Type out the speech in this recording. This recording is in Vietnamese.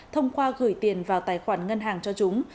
thông qua gửi tiền vào tài khoản ngân hàng cho chúng